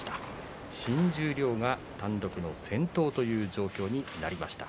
新十両が単独の先頭という状況になりました。